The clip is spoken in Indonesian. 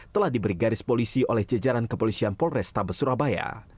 telah diberi garis polisi oleh jajaran kepolisian polrestabes surabaya